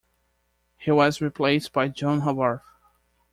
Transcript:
He was replaced by John Harbaugh.